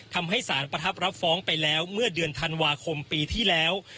ทำให้สารประทับรับฟ้องไปแล้วเมื่อเดือนธันวาคมปีที่แล้ว